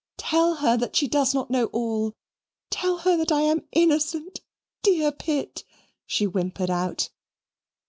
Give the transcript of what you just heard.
"Tell her that she does not know all: Tell her that I am innocent, dear Pitt," she whimpered out.